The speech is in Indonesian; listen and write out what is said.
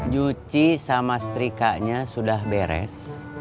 jucie sama setrika nya sudah beres